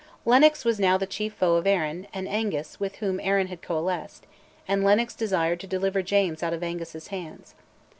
Lennox was now the chief foe of Arran, and Angus, with whom Arran had coalesced; and Lennox desired to deliver James out of Angus's hands.